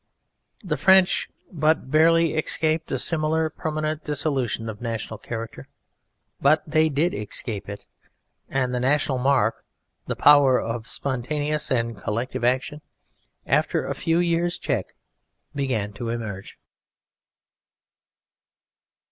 The French but barely escaped a similarly permanent dissolution of national character: but they did escape it; and the national mark, the power of spontaneous and collective action, after a few years' check, began to emerge.